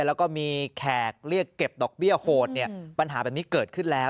แล้วก็มีแขกเรียกเก็บดอกเบี้ยโหดเนี่ยปัญหาแบบนี้เกิดขึ้นแล้ว